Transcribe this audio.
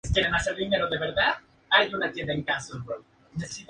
Cada municipio incluye dos o tres Centros Comunales Zonales.